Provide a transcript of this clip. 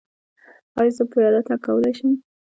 ایا زه پیاده تګ کولی شم؟